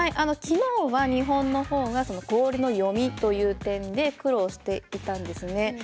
きのうは日本のほうが氷の読みという点で苦労していたんですね。